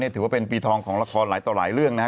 ถือว่าเป็นปีทองของละครหลายต่อหลายเรื่องนะครับ